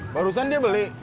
barusan dia beli